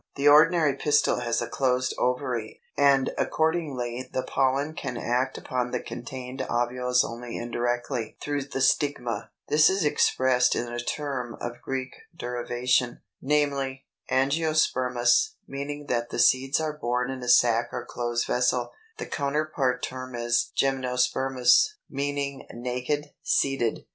313. The ordinary pistil has a closed ovary, and accordingly the pollen can act upon the contained ovules only indirectly, through the stigma. This is expressed in a term of Greek derivation, viz.: Angiospermous, meaning that the seeds are borne in a sac or closed vessel. The counterpart term is Gymnospermous, meaning naked seeded.